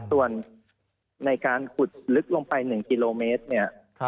ส่วนในการขุดลึกลงไป๑กิโลเมตรเนี่ย